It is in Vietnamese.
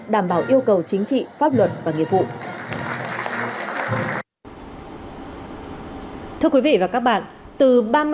đảm bảo yêu cầu chính trị pháp luật và nghiệp vụ